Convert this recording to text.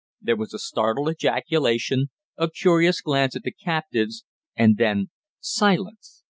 There was a startled ejaculation, a curious glance at the captives, and then silence.